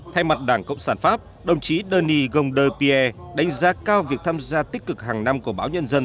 thay mặt đảng cộng sản pháp đồng chí denis gonde pierre đánh giá cao việc tham gia tích cực hàng năm của báo nhân dân